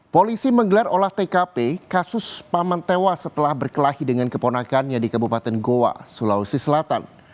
polisi menggelar olah tkp kasus paman tewas setelah berkelahi dengan keponakannya di kabupaten goa sulawesi selatan